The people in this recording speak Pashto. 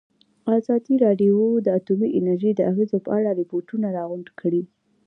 ازادي راډیو د اټومي انرژي د اغېزو په اړه ریپوټونه راغونډ کړي.